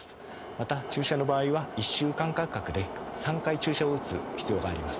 また注射の場合は１週間間隔で３回注射を打つ必要があります。